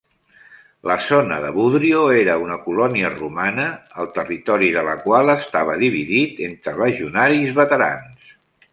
La zona de Budrio era una colònia romana, el territori de la qual estava dividit entre legionaris veterans.